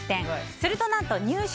すると、何と入賞。